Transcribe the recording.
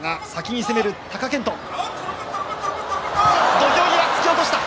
土俵際、突き落とした。